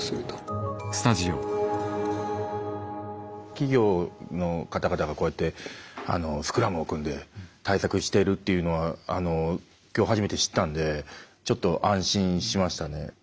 企業の方々がこうやってスクラムを組んで対策してるというのは今日初めて知ったんでちょっと安心しましたね。